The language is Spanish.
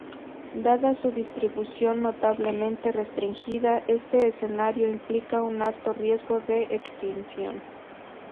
Dada su distribución notablemente restringida, este escenario implica un alto riesgo de extinción.